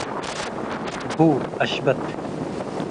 ቡ አሽበት